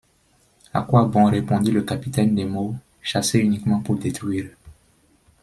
À quoi bon, répondit le capitaine Nemo, chasser uniquement pour détruire !